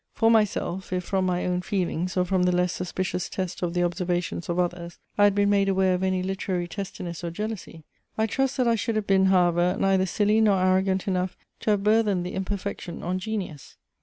For myself, if from my own feelings, or from the less suspicious test of the observations of others, I had been made aware of any literary testiness or jealousy; I trust, that I should have been, however, neither silly nor arrogant enough to have burthened the imperfection on genius.